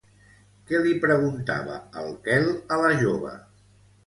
Què li preguntava el Quel a la jove?